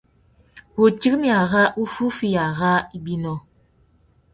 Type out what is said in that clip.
Wutirimiya râ wuffúffüiya râ ibinô.